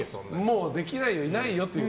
もうできないよいないよという。